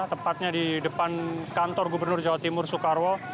tepatnya di depan kantor gubernur jawa timur soekarwo